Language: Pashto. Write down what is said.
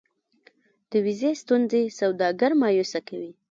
د ویزې ستونزې سوداګر مایوسه کوي.